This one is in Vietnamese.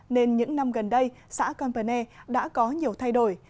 nên những năm gần đây xã cơn vân e đã có nhiều thay đổi